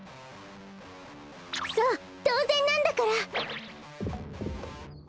そうとうぜんなんだから！